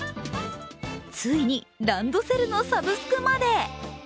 ついにランドセルのサブスクまで。